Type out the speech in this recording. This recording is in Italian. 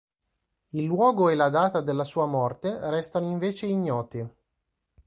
Il luogo e la data della sua morte restano invece ignoti.